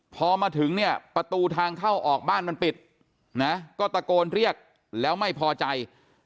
พอมาถึงเนี่ยประตูทางเข้าออกบ้านมันปิดนะก็ตะโกนเรียกแล้วไม่พอใจ